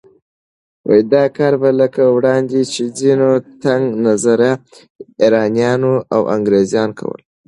دا کار به لکه وړاندې چې ځينو تنګ نظره ایرانیانو او انګریزانو کول